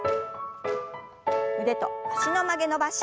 腕と脚の曲げ伸ばし。